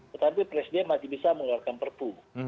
tetapi presiden masih bisa mengeluarkan perpu